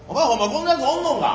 こんなやつおんのんか？